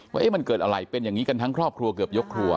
ว่ามันเกิดอะไรเป็นอย่างนี้กันทั้งครอบครัวเกือบยกครัว